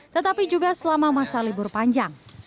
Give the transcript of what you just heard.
tetapi juga selama masa libur panjang